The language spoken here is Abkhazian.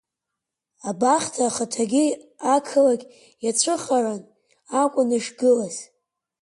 Абахҭа ахаҭагьы ақалақь иацәыхаран акәын ишгылаз.